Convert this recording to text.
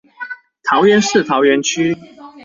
桃園市桃園區